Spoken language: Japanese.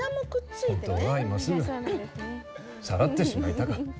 本当は今すぐさらってしまいたか。